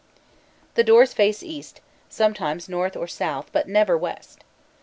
The doors face east, sometimes north or south, but never west.